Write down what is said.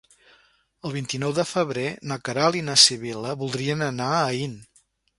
El vint-i-nou de febrer na Queralt i na Sibil·la voldrien anar a Aín.